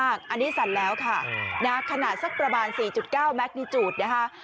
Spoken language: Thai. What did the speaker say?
อันนี้สั่นแล้วค่ะนะขนาดสักประมาณ๔๙แมคนิจูดนะคะ